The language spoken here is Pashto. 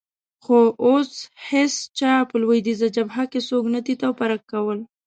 خو اوس هېڅ چا په لوېدیځه جبهه کې څوک نه تیت او پرک کول.